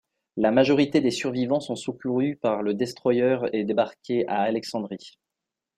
La majorité des survivants sont secourus par le destroyer et débarqués à Alexandrie.